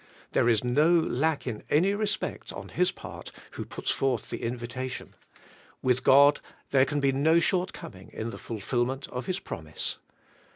There is no lack in any respect on His part who puts forth the invitation; with God there can be no shortcoming in the fulfilment of His promise.'